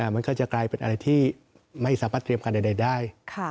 มันก็จะกลายเป็นอะไรที่ไม่สามารถเตรียมการใดได้